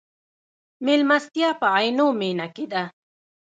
مېلمستیا په عینومېنه کې ده.